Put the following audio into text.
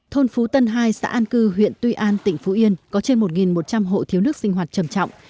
thôn phú tân hai xã an cư huyện tuy an tỉnh phú yên có trên một một trăm linh hộ thiếu nước sinh hoạt trầm trọng